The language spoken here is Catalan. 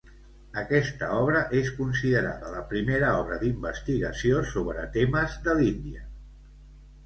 Aquesta obra és considerada la primera obra d'investigació sobre temes de l'Índia.